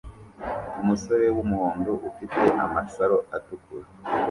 Umusore wumuhondo ufite amasaro atukura